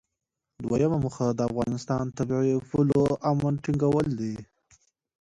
دویمه موخه د افغانستان د طبیعي پولو امن ټینګول و.